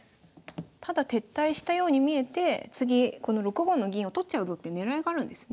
ただ撤退したように見えて次この６五の銀を取っちゃうぞって狙いがあるんですね。